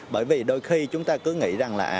bởi vì đôi khi chúng ta cứ nghĩ rằng là